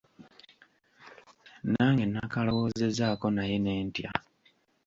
Nange nakalowoozezzaako naye ne ntya.